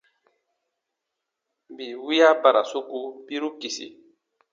Bii wiya ba ra soku biru kisi.